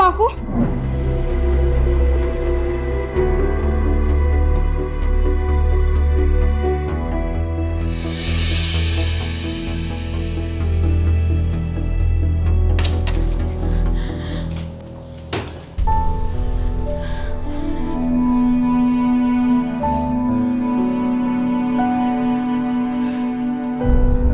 aku percaya sama aku